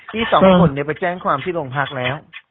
พี่สองคนไปแจ้งความที่โรงพักแล้ว